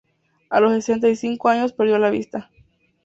A los sesenta y cinco años perdió la vista.